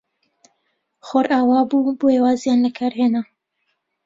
خۆر ئاوا بوو، بۆیە وازیان لە کار هێنا.